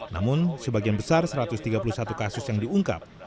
namun sebagian besar satu ratus tiga puluh satu kasus yang diungkap